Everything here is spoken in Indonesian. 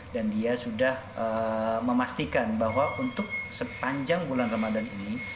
dan dia sudah memastikan bahwa untuk sepanjang bulan ramadan ini